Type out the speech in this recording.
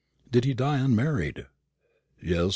"Did he die unmarried?" "Yes.